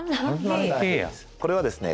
これはですね